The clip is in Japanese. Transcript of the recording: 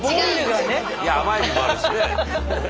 いや甘エビもあるしね。